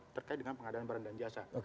terkait dengan pengadaan barang dan jasa